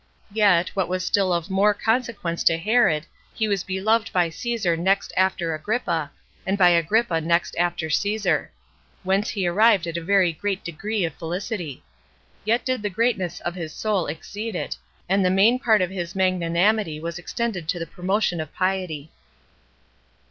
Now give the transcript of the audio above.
Yet, what was still of more consequence to Herod, he was beloved by Caesar next after Agrippa, and by Agrippa next after Caesar; whence he arrived at a very great degree of felicity. Yet did the greatness of his soul exceed it, and the main part of his magnanimity was extended to the promotion of piety.